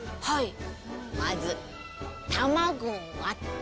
はい。